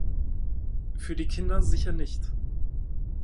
Für die Kinder sicher nicht.